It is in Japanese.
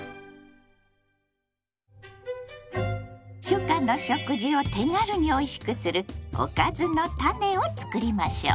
初夏の食事を手軽においしくする「おかずのタネ」を作りましょう。